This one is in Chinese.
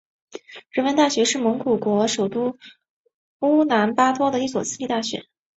人文大学是蒙古国首都乌兰巴托的一所私立大学。